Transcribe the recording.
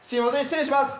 失礼します